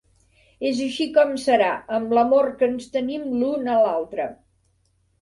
És així com serà, amb l'amor que ens tenim l'un a l'altre.